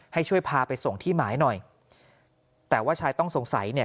ให้ช่วยพาไปส่งที่หมายหน่อยแต่ว่าชายต้องสงสัยเนี่ย